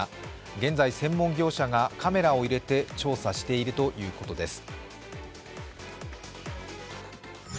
現在、専門業者がカメラを入れて調査しているということです。